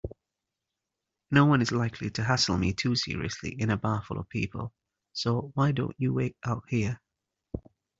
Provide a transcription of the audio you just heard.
Noone is likely to hassle me too seriously in a bar full of people, so why don't you wait out here?